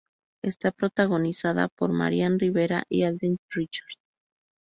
Está protagonizada por Marian Rivera y Alden Richards.